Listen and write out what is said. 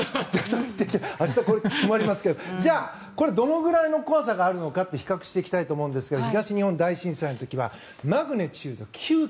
明日じゃこれ、困りますけどじゃあ、どのぐらいの怖さがあるか比較していきたいですが東日本大震災の時はマグニチュード９．０。